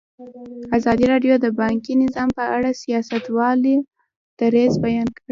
ازادي راډیو د بانکي نظام په اړه د سیاستوالو دریځ بیان کړی.